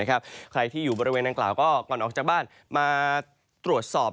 ใครที่อยู่บริเวณนางกล่าวก็ก่อนออกจากบ้านมาตรวจสอบ